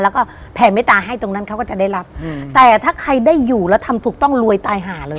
แล้วก็แผ่เมตตาให้ตรงนั้นเขาก็จะได้รับแต่ถ้าใครได้อยู่แล้วทำถูกต้องรวยตายหาเลย